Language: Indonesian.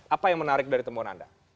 apa yang menarik dari temuan anda